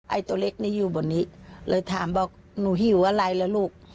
ไอ้ตัวเล็กนี่อยู่บนนี้เลยถามบอกหนูหิวอะไรล่ะลูก